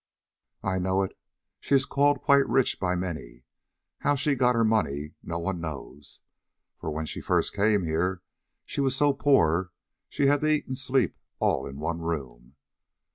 "I know it. She is called quite rich by many. How she got her money no one knows; for when she first came here she was so poor she had to eat and sleep all in one room.